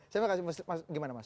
saya mau tanya bagaimana mas